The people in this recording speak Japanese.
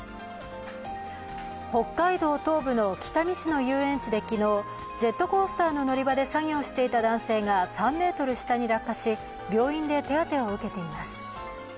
北海道東部の北見市の遊園地で昨日、ジェットコースターの乗り場で作業していた男性が３ｍ下に落下し病院で手当を受けています。